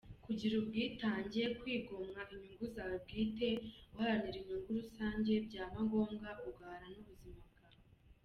Kugira ubwitange- Kwigomwa inyungu zawe bwite uharanira inyungu rusange byaba ngombwa ugahara ubuzima bwawe.